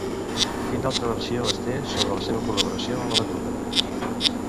Quina altra versió es té sobre la seva col·laboració en la batuda?